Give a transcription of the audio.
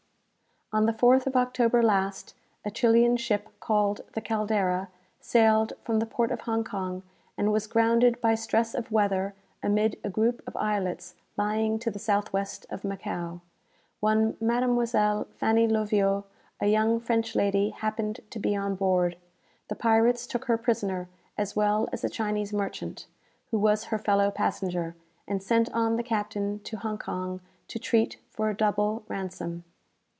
"On the 4th of October last, a Chilian ship, called the 'Caldera,' sailed from the port of Hong Kong and was grounded by stress of weather amid a group of islets lying to the south west of Macao. One Mademoiselle Fanny Loviot, a young French lady, happened to be on board. The pirates took her prisoner, as well as a Chinese merchant, who was her fellow passenger, and sent on the captain to Hong Kong, to treat for a double ransom.